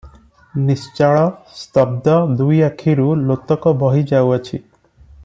ନିଶ୍ଚଳ, ସ୍ତବ୍ଧଧ ଦୁଇ ଆଖିରୁ ଲୋତକ ବହିଯାଉଅଛି ।